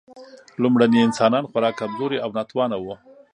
لومړني انسانان خورا کمزوري او ناتوانه وو.